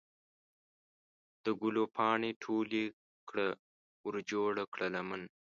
د ګلو پاڼې ټولې کړه ورجوړه کړه لمن